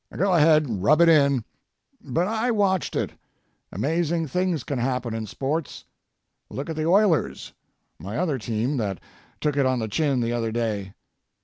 Go ahead, rub it in. But I watched it. Amazing things can happen in sports. Look at the Oilers, my other team that took it on the chin the other day.